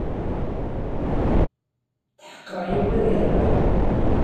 Tḥeqqeɣ Yuba ad yerbeḥ.